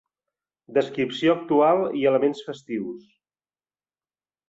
Descripció actual i elements festius.